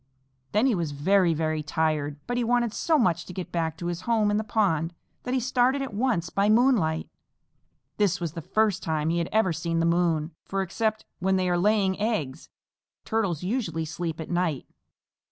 Then he was very, very tired, but he wanted so much to get back to his home in the pond that he started at once by moonlight. This was the first time he had ever seen the moon, for, except when they are laying eggs, Turtles usually sleep at night.